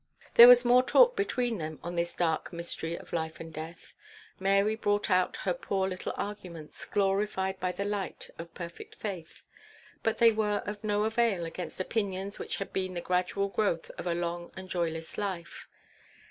There was more talk between them on this dark mystery of life and death. Mary brought out her poor little arguments, glorified by the light of perfect faith; but they were of no avail against opinions which had been the gradual growth of a long and joyless life.